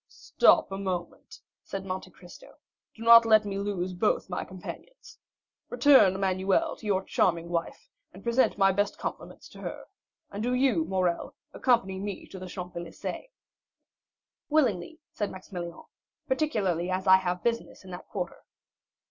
"Stop a moment," said Monte Cristo; "do not let me lose both my companions. Return, Emmanuel, to your charming wife, and present my best compliments to her; and do you, Morrel, accompany me to the Champs Élysées." "Willingly," said Maximilian; "particularly as I have business in that quarter."